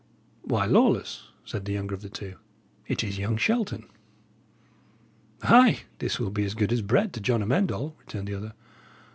"Why, Lawless," said the younger of the two, "it is young Shelton." "Ay, this will be as good as bread to John Amend All," returned the other.